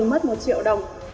mất một triệu đồng